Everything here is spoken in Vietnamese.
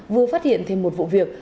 vừa phát hiện thêm một vụ việc